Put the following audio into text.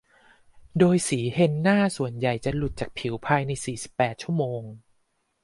โดยสีเฮนน่าส่วนใหญ่จะหลุดจากผิวภายใน สี่สิบแปด ชั่วโมง